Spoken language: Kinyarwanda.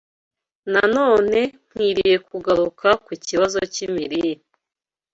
Na none nkwiriye kugaruka ku kibazo cy’imirire